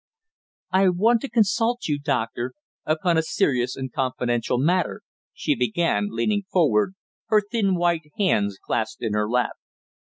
"I want to consult you, Doctor, upon a serious and confidential matter," she began, leaning forward, her thin white hands clasped in her lap.